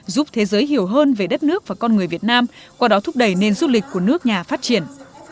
giúp thế giới hiểu hơn về đất nước và con người việt nam qua đó thúc đẩy nền du lịch của nước nhà phát triển